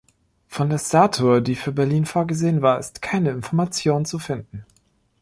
Von der Statue, die für Berlin vorgesehen war, ist keine Information zu finden.